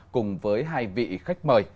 cùng với hai vị khách mời